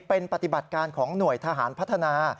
เป็นปฏิบัติการของหน่วยทหารพัฒนา